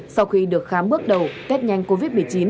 sau khi được khám bước đầu test nhanh covid một mươi chín